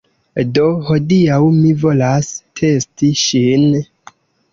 Do, hodiaŭ mi volas testi ŝin